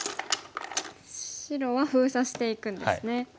白は封鎖していくんですね。